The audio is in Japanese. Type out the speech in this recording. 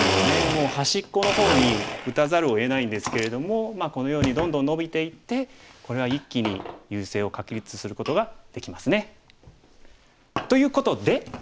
もう端っこの方に打たざるをえないんですけれどもこのようにどんどんノビていってこれは一気に優勢を確立することができますね。ということで？